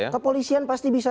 kepolisian pasti bisa